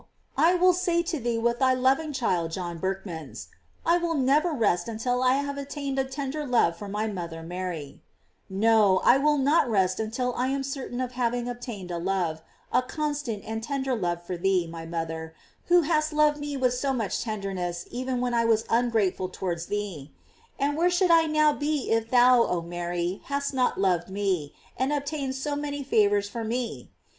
I will say to thee with thy loving child John Berchmans: "I will never rest until I have attained a tender love for my mother Mary."* No, I will not rest until I am certain of having obtained a love — a constant and ten der love for thee, my mother, who hast loved me with so much tenderness even when I was so un * Nnnqnam qulescam, donee habuero tenerum amorem erga matraa Mariam. GLOEIES OP MART. 67 grateful towards thee. And where should I now be if thou, oh Mary, hadst not loved me, and ob tained so many favors for me?